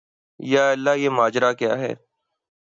یا الٰہی یہ ماجرا کیا ہے